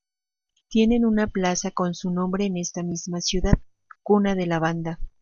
Tienen una plaza con su nombre en esta misma ciudad, cuna de la banda.